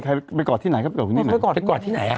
ใครไปกอดที่ไหนก็ไปกอดไปกอดที่ไหนอ่ะ